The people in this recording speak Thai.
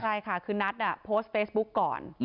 ใช่ค่ะคือนัทโพสต์เฟซบุ๊กก่อน